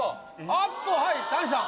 あっとはい谷さん